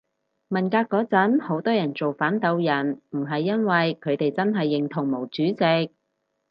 文革嗰陣好多人造反鬥人唔係因爲佢哋真係認同毛主席